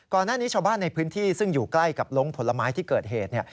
ก่อนหน้านี้ชาวบ้านในพื้นที่ซึ่งอยู่ใกล้กับล้งผลไม้ที่เกิดเหตุเนี่ย